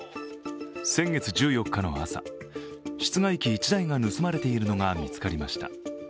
先月１４日の朝、室外機１台が盗まれているのが見つかりました。